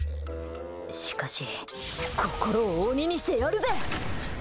しかし心を鬼にして、やるぜ！